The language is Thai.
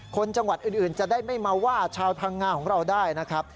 จังหวัดอื่นจะได้ไม่มาว่าชาวพังงาของเราได้นะครับ